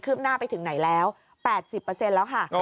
ขึ้นหน้าไปถึงไหนแล้ว๘๐เปอร์เซ็นต์แล้วค่ะ